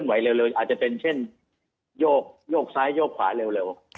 ไหวเร็วอาจจะเป็นเช่นโยกซ้ายโยกขวาเร็ว